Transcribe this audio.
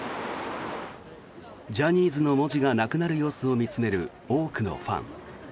ジャニーズの文字がなくなる様子を見つめる多くのファン。